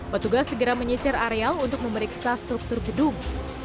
petugas segera menyisir areal untuk memeriksa struktur gedung